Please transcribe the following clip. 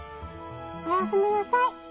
おやすみなさい。